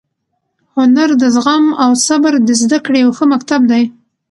هنر د زغم او صبر د زده کړې یو ښه مکتب دی.